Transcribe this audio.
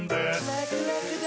ラクラクだ！